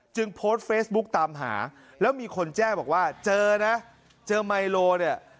โพสต์เฟซบุ๊กตามหาแล้วมีคนแจ้งบอกว่าเจอนะเจอไมโลเนี่ย